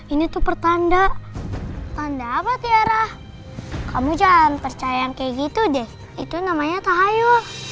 ini tuh pertanda tanda apa tiara kamu jangan percaya yang kayak gitu deh itu namanya tahayu